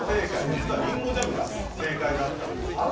実はりんごジャムが正解だったんです。